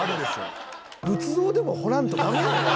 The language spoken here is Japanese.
仏像でも彫らんとダメやろ。